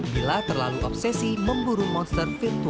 bila terlalu obsesi memburu monster virtual